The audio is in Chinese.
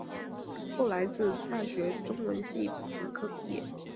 后来自大学中文系本科毕业。